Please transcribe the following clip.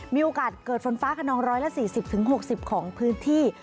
มีโอกาสเกิดฝนฟ้าขนอง๑๔๐๖๐ของพื้นที่